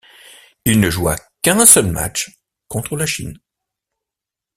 Il ne joua qu'un seul match, contre la Chine.